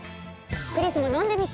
クリスも飲んでみて。